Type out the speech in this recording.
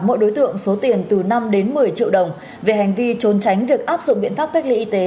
mỗi đối tượng số tiền từ năm đến một mươi triệu đồng về hành vi trốn tránh việc áp dụng biện pháp cách ly y tế